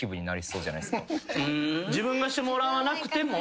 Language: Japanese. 自分がしてもらわなくても？